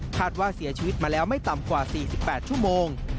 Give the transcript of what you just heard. ว่าเสียชีวิตมาแล้วไม่ต่ำกว่า๔๘ชั่วโมง